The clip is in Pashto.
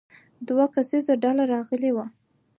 دوه کسیزه ډله راغلې وه.